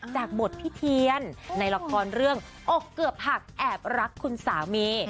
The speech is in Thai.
จากบทพิเทียนในละครเรื่องอกเกือบหักแอบรักคุณสามี